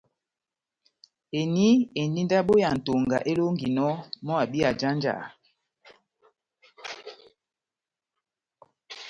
Eni endi ndabo ya Ntonga elonginɔ mɔ́ abi ajanjaha.